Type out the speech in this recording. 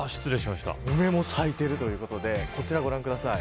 梅も咲いているということでこちらご覧ください。